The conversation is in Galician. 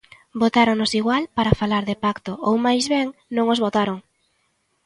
Votáronnos igual para falar de pacto ou máis ben non os votaron.